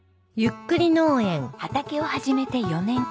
畑を始めて４年。